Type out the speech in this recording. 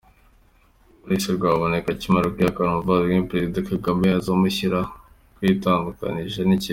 Maurice Rwambonera akimara kwihakana umuvandimwe we, Perezida Kagame yahise amushimira ko yitandukanije n’ikibi!